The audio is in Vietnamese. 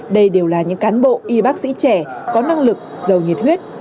đây đều là những cán bộ y bác sĩ trẻ có năng lực giàu nhiệt huyết